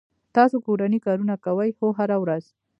تاسو کورنی کارونه کوئ؟ هو، هره ورځ